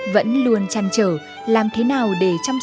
vẫn luôn chăn trở làm thế nào để trả lời cho bác sĩ nguyễn võ kỳ anh